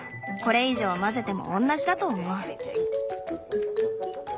これ以上混ぜてもおんなじだと思う。